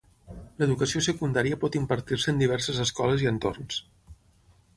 L'educació secundària pot impartir-se en diverses escoles i entorns.